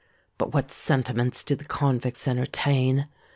But what sentiments do the convicts entertain?